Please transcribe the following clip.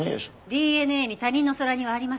ＤＮＡに他人の空似はありません。